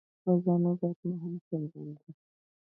خزانه او باد مهم سمبولونه دي.